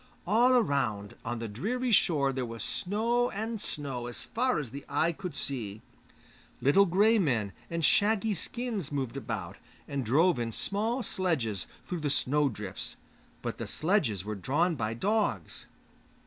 All around on the dreary shore there was snow and snow as far as the eye could see; little grey men in shaggy skins moved about, and drove in small sledges through the snow drifts, but the sledges were drawn by dogs.